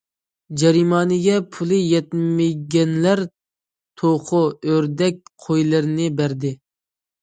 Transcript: جەرىمانىگە پۇلى يەتمىگەنلەر توخۇ، ئۆردەك، قويلىرىنى بەردى.